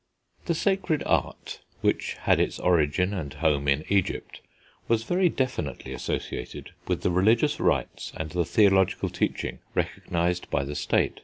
The Sacred Art, which had its origin and home in Egypt, was very definitely associated with the religious rites, and the theological teaching, recognised by the state.